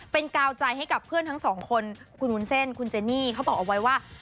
เป็นกาวใจให้กับเพื่อนทั้งสองคนคุณวุ้นเส้นคุณเจนี่เขาบอกเอาไว้ว่า